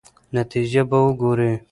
نتیجه به ګورئ.